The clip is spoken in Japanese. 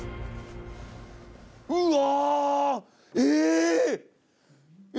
うわ！